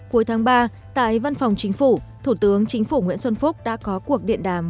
cuối tháng ba tại văn phòng chính phủ thủ tướng chính phủ nguyễn xuân phúc đã có cuộc điện đàm